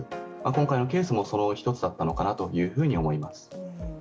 今回のケースもその一つだったのかなと思います。